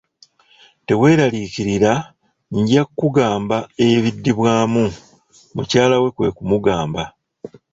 Tewelarikirira, ngya kkugamba ebidibwamu, mukyala we kwe kumugamba.